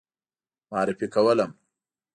معرفي کولم.